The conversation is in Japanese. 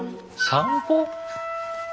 散歩？